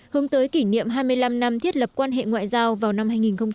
hướng tới kỷ niệm hai mươi năm năm thiết lập quan hệ ngoại giao vào năm hai nghìn hai mươi